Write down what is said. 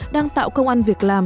đang tạo công ăn việc làm